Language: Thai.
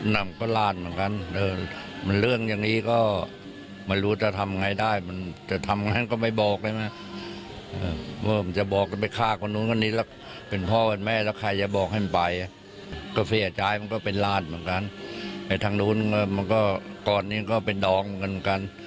ในทางนู้นมันก็ก่อนนี้ก็เป็นดองกันกัน